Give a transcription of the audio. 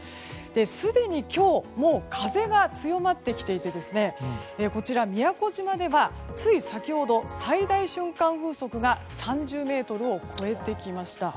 すでに今日もう風が強まってきていて宮古島ではつい先ほど最大瞬間風速が３０メートルを超えてきました。